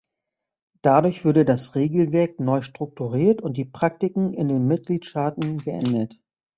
Dadurch würde das Regelwerk neu strukturiert und die Praktiken in den Mitgliedstaaten geändert.